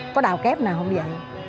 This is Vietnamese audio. có đào kép nào không vậy